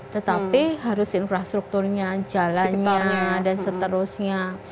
tetapi harus infrastrukturnya jalannya dan seterusnya